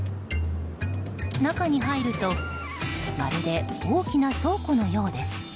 中に入るとまるで大きな倉庫のようです。